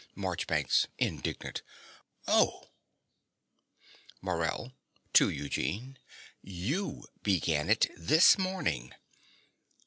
MARCHBANKS (indignant). Oh! MORELL (to Eugene). YOU began it this morning.